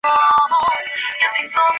附近有里扬机场。